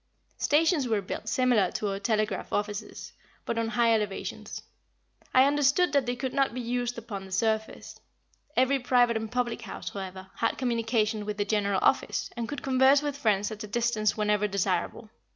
Stations were built similar to our telegraph offices, but on high elevations. I understood that they could not be used upon the surface. Every private and public house, however, had communication with the general office, and could converse with friends at a distance whenever desirable.